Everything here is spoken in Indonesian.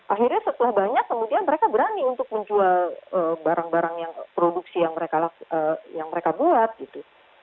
akhirnya setelah banyak kemudian mereka berani untuk menjual barang barang yang produksi yang mereka buat gitu